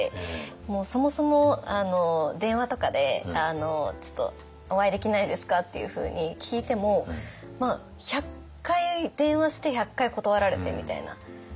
もうそもそも電話とかで「ちょっとお会いできないですか？」っていうふうに聞いても１００回電話して１００回断られてみたいな。